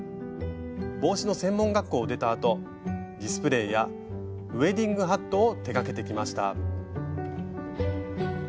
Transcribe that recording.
帽子の専門学校を出たあとディスプレーやウエディングハットを手がけてきました。